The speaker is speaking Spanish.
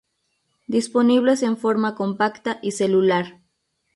Disponibles en forma compacta y celular.